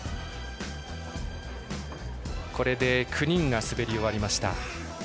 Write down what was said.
これで９人が滑り終わりました。